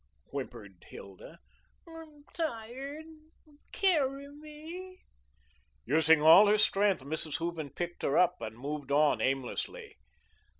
"Mammy," whimpered Hilda. "I'm tired, carry me." Using all her strength, Mrs. Hooven picked her up and moved on aimlessly.